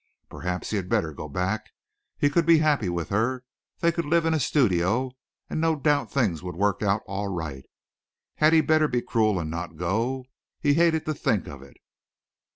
Perhaps he had better go back. He could be happy with her. They could live in a studio and no doubt things would work out all right. Had he better be cruel and not go? He hated to think of it.